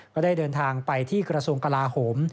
ก็ได้เดินทางไปที่กระทรวงกลาโหม